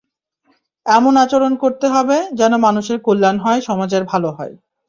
এমন আচরণ করতে হবে, যেন মানুষের কল্যাণ হয়, সমাজের ভালো হয়।